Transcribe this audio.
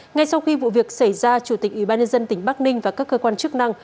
ngay sau khi vụ việc xảy ra chủ tịch ủy ban nhân dân tỉnh bắc ninh và các cơ quan chức năng